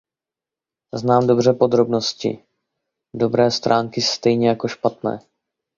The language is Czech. Znám dobře podrobnosti, dobré stránky stejně jako špatné.